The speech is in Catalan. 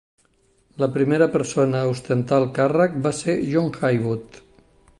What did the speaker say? La primera persona a ostentar el càrrec va ser John Haywood.